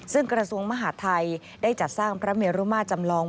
ซึ่งกระทรวงมหาดไทยได้จัดสร้างพระเมรุมาจำลอง